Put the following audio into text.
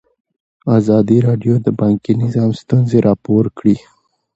ازادي راډیو د بانکي نظام ستونزې راپور کړي.